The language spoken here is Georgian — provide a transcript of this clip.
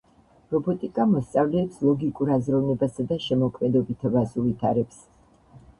რობოტიკა მოსწავლეებს ლოგიკურ აზროვნებასა და შემოქმედებითობას უვითარებს.